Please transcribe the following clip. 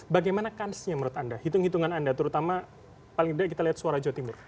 bagaimana kansnya menurut anda hitung hitungan anda terutama paling tidak kita lihat suara jawa timur